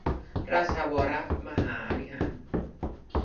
ราชวรมหาวิหาร